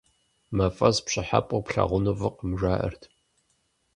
МафӀэс пщӀыхьэпӀэу плъагъуну фӀыкъым, жаӀэрт.